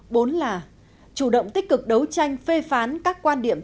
bốn là chủ động tích cực đấu tranh phê phán các quan điểm